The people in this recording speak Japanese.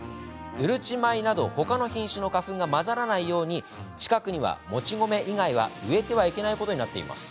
うるち米など、ほかの品種の花粉が混ざらないように近くには餅米以外は植えてはいけないことになっています。